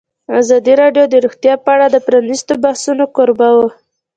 ازادي راډیو د روغتیا په اړه د پرانیستو بحثونو کوربه وه.